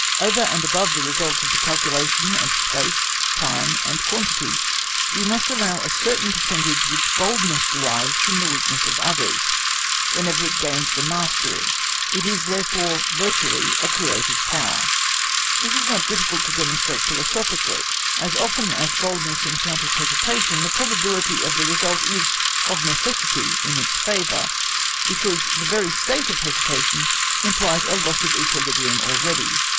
Over and above the result of the calculation of space, time, and quantity, we must allow a certain percentage which boldness derives from the weakness of others, whenever it gains the mastery. It is therefore, virtually, a creative power. This is not difficult to demonstrate philosophically. As often as boldness encounters hesitation, the probability of the result is of necessity in its favour, because the very state of hesitation implies a loss of equilibrium already.